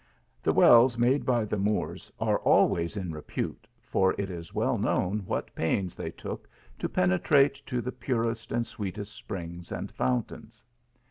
The wells made by the Moors are always in repute, for it is well known what pains they took to penetrate to tne purest and sweetest springs and fountains.